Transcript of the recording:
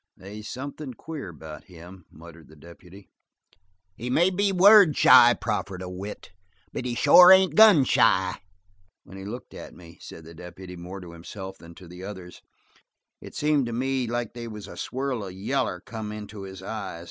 "They's something queer about him," muttered the deputy. "He may be word shy," proffered a wit, "but he sure ain't gun shy!" "When he looked at me," said the deputy, more to himself than to the others, "it seemed to me like they was a swirl of yaller come into his eyes.